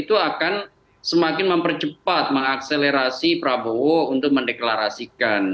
itu akan semakin mempercepat mengakselerasi prabowo untuk mendeklarasikan